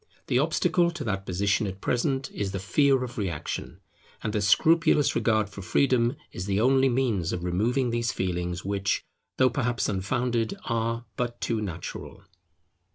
The obstacle to that position at present is the fear of reaction; and a scrupulous regard for freedom is the only means of removing these feelings which, though perhaps unfounded, are but too natural.